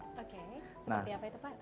oke seperti apa yang tepat